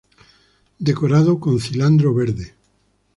Decorado con cilantro verde.